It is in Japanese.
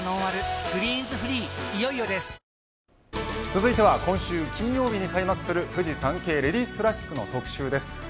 続いては今週金曜日に開幕するフジサンケイレディスクラシックの特集です。